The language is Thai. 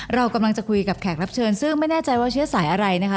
เรากำลังจะคุยกับแขกรับเชิญซึ่งไม่แน่ใจว่าเชื้อสายอะไรนะคะ